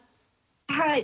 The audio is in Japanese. はい。